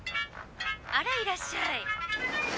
あらいらっしゃい。